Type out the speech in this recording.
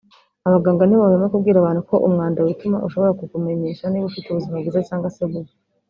Abaganga ntibahwema kubwira abantu ko umwanda wituma ushobora kukumenyesha niba ufite ubuzima bwiza cyangwa se bubi